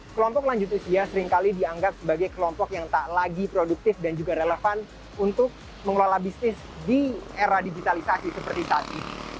kelompok lanjut usia seringkali dianggap sebagai kelompok yang tak lagi produktif dan juga relevan untuk mengelola bisnis di era digitalisasi seperti tadi